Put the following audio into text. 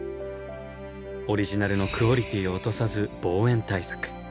オリジナルのクオリティを落とさず防煙対策。